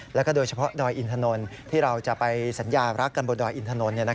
แล้วก็โดยเฉพาะดอยอินถนนที่เราจะไปสัญญารักกันบนดอยอินทนนท์